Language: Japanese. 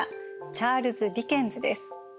チャールズ・ディケンズです。